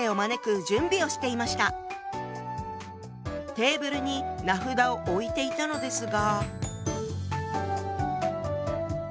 テーブルに名札を置いていたのですが。